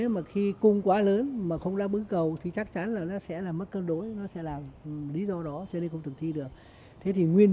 mà muốn tiếp tục đầu tư